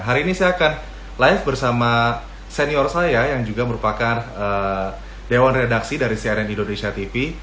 hari ini saya akan live bersama senior saya yang juga merupakan dewan redaksi dari cnn indonesia tv